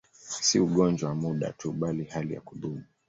Si ugonjwa wa muda tu, bali hali ya kudumu.